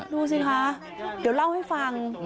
ดูสิคะเดี๋ยวเล่าให้ฟัง